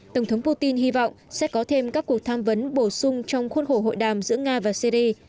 tổng thống putin hy vọng sẽ có thêm các cuộc tham vấn bổ sung trong khuôn khổ hội đàm giữa nga và syri